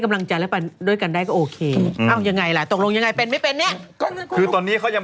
ก็ช่วยกันไปกินข้าวเขาหอม